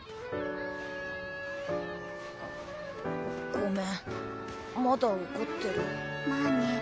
ごめんまだ怒ってる？まあね。